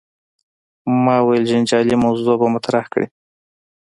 ما ویل جنجالي موضوع به مطرح کړې.